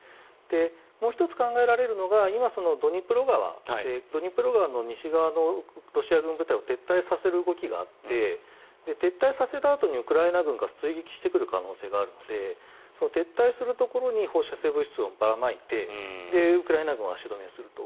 もう１つ考えられるのは今、ドニプロ川の西側のロシア軍部隊を撤退させる動きがあって撤退させたあとにウクライナ軍が追撃してくる可能性があるので撤退するところに放射性物質をばらまいてウクライナ軍を足止めすると。